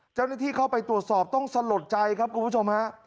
เจ้าหน้าที่เข้าไปตรวจสอบต้องสลดใจครับคุณผู้ชมฮะ